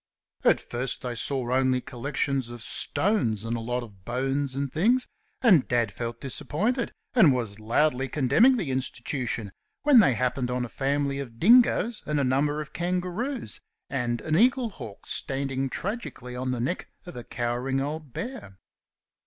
At first they saw only collections of stones and a lot of bones and things, and Dad felt disappointed, and was loudly condemning the institution when they happened on a family of dingoes and a number of kangaroos, and an eagle hawk standing tragically on the neck of a cowering old bear.